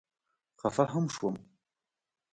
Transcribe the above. خفه هم شوم.